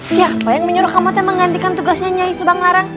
siapa yang menyuruh kamu menggantikan tugasnya nyai subang larang